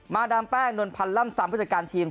มาดามแป้งนนพันล่ำสามผู้จัดการทีม